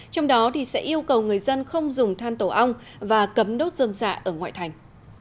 trong đó sẽ yêu cầu người dân không dùng than tổ ong và cấm đốt dơm dạ ở ngoại thành